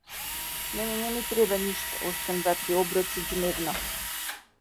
Мене не ми треба ништо, освен два-три оброци дневно.